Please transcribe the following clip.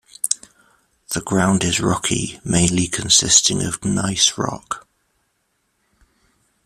The ground is rocky, mainly consisting of gneiss rock.